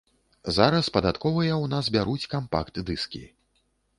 Зараз падатковыя ў нас бяруць кампакт-дыскі.